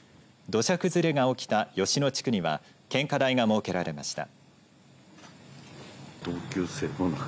土砂崩れが起きた吉野地区には献花台が設けられました。